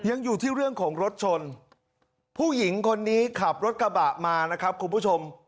ยังอยู่ที่เรื่องของรถชนผู้หญิงคนนี้ขับรถกระบะมานะครับคุณผู้ชม